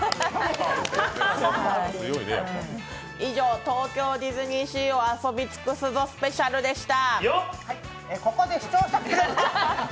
以上、東京ディズニーシーを遊び尽くすぞスペシャルでした。